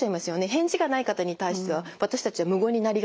返事がない方に対しては私たちは無言になりがちです。